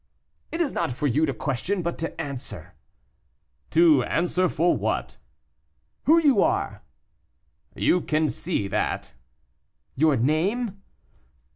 "It is not for you to question, but to answer." "To answer what?" "Who are you?" "You can see that." "Your name?"